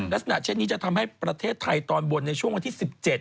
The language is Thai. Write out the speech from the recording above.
ลักษณะเช่นนี้จะทำให้ประเทศไทยตอนบนในช่วงวันที่๑๗